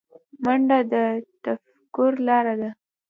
منډه د تفکر لاره ده